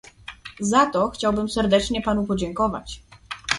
Za to chciałbym serdecznie panu podziękować